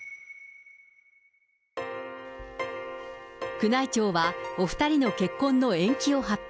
宮内庁はお２人の結婚の延期を発表。